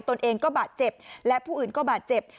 ตนเองก็บาดเจ็บและผู้อื่นก็บาดเจ็บ